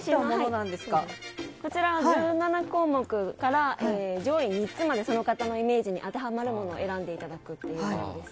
こちらは１７項目から上位３つまでその方のイメージに当てはまるものを選んでいただくものです。